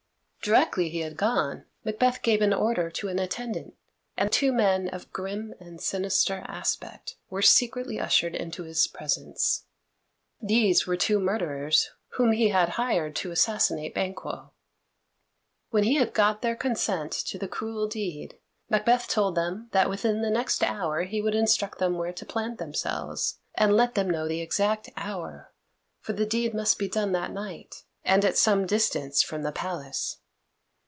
Directly he had gone, Macbeth gave an order to an attendant, and two men of grim and sinister aspect were secretly ushered into his presence. These were two murderers whom he had hired to assassinate Banquo. When he had got their consent to the cruel deed, Macbeth told them that within the next hour he would instruct them where to plant themselves, and let them know the exact hour, for the deed must be done that night, and at some distance from the palace.